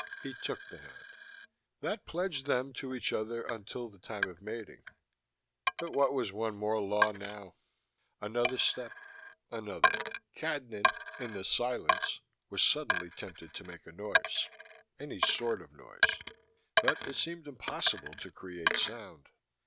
He took the hand. That pledged them to each other, until the time of mating. But what was one more law now? Another step. Another. Cadnan, in the silence, was suddenly tempted to make a noise, any sort of noise but it seemed impossible to create sound.